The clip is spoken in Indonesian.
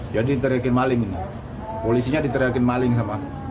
jadi diteriakin maling ini polisinya diteriakin maling sama